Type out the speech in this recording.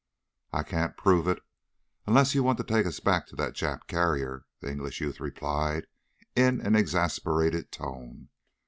"I can't prove it, unless you want to take us back to that Jap carrier!" the English youth replied in an exasperated tone.